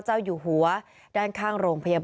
ในเวลาเดิมคือ๑๕นาทีครับ